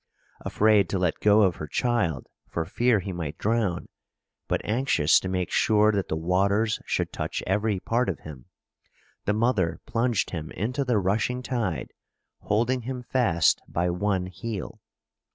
Afraid to let go of her child for fear he might drown, but anxious to make sure that the waters should touch every part of him, the mother plunged him into the rushing tide, holding him fast by one heel.